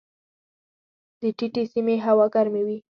د ټیټې سیمې هوا ګرمې وي.